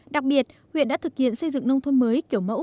đặc biệt huyện đã thực hiện xây dựng nông thôn mới kiểu mẫu